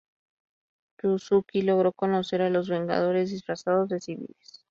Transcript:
Yuzuki logró reconocer a los Vengadores disfrazados de civiles.